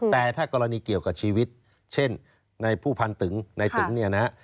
แต่ถ้ากรณีเกี่ยวกับชีวิตเช่นในผู้พันธุ์ตึ๋ง